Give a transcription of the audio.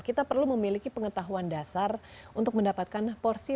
kita perlu memiliki pengetahuan dasar untuk mendapatkan hasil yang maksimal